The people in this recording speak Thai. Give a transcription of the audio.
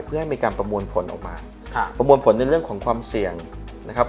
เพื่อให้มีการประมวลผลออกมาค่ะประมวลผลในเรื่องของความเสี่ยงนะครับ